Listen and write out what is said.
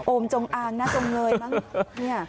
โอมจงอางน่าจงเงยบ้าง